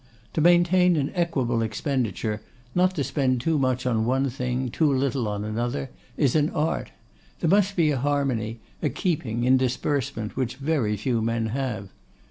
To maintain an equable expenditure; not to spend too much on one thing, too little on another, is an art. There must be a harmony, a keeping, in disbursement, which very few men have.